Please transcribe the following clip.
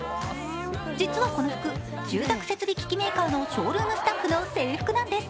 実はこの服、住宅設備機器メーカーのショールームスタッフの制服なんです。